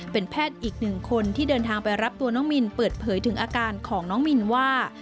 เป็นแพทย์อีกหนึ่งคนที่เดินทางไปรับตัวน้องมินเปิดเผยถึงอาการของน้องมินว่า